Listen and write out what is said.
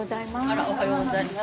あらおはようございます。